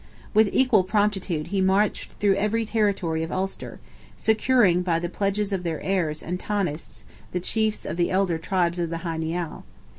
With equal promptitude he marched through every territory of Ulster, securing, by the pledges of their heirs and Tanists, the chiefs of the elder tribes of the Hy Nial.